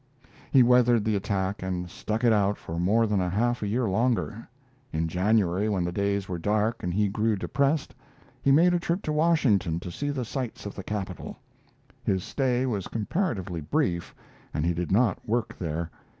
He weathered the attack and stuck it out for more than half a year longer. In January, when the days were dark and he grew depressed, he made a trip to Washington to see the sights of the capital. His stay was comparatively brief, and he did not work there.